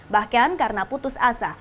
bahkan karena putus asa